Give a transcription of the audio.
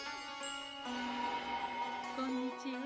こんにちは。